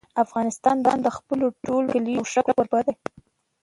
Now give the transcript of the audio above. افغانستان د خپلو ټولو کلیو یو ښه کوربه دی.